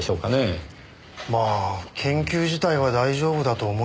まあ研究自体は大丈夫だと思いますが。